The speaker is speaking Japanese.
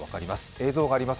映像があります。